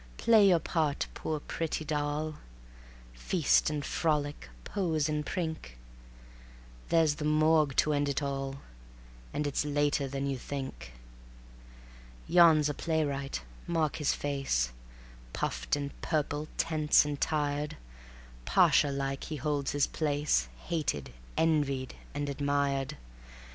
Play your part, poor pretty doll; Feast and frolic, pose and prink; There's the Morgue to end it all, And it's later than you think. Yon's a playwright mark his face, Puffed and purple, tense and tired; Pasha like he holds his place, Hated, envied and admired.